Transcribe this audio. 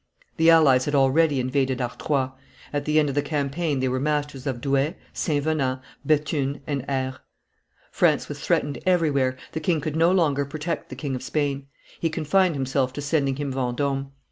The allies had already invaded Artois; at the end of the campaign they were masters of Douai, St. Venant, Bethune, and Aire; France was threatened everywhere, the king could no longer protect the King of Spain; he confined himself to sending him Vendome.